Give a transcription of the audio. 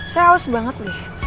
saya haus banget deh